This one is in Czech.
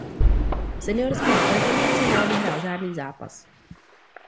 V seniorské reprezentaci neodehrál žádný zápas.